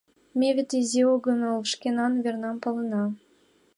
Ме вет изи огынал, шкенан вернам палена.